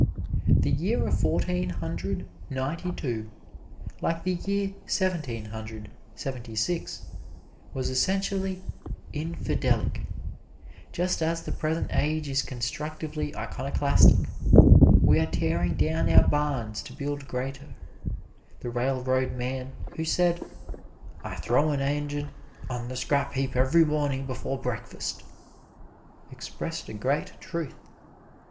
The year of Fourteen Hundred Ninety two, like the year Seventeen Hundred Seventy six, was essentially "infidelic," just as the present age is constructively iconoclastic. We are tearing down our barns to build greater. The railroadman who said, "I throw an engine on the scrap heap every morning before breakfast," expressed a great truth.